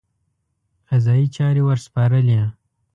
قضایي چارې ورسپارلې.